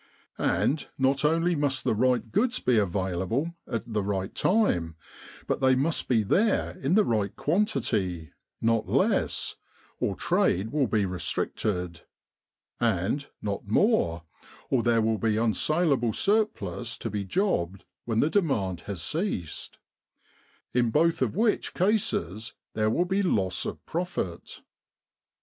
And not only must the right goods be available at the right time, but they must be there in the right quantity not less, or trade will be restricted; and not more, or there will be unsaleable surplus to be jobbed when the demand has ceased : in both of which cases there will be loss of profit.